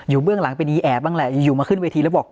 เบื้องหลังเป็นอีแอบบ้างแหละอยู่มาขึ้นเวทีแล้วบอก